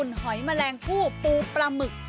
แมงกะพรุนหอยแมลงผู้ปูปลาหมึก